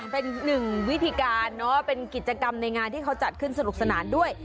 เป็นหนึ่งวิธีการเนอะเป็นกิจกรรมในงานที่เขาจัดขึ้นสนุกสนานด้วย